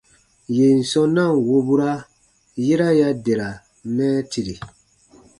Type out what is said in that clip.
Yèn sɔ̃ na ǹ wobura, yera ya dera mɛɛtiri.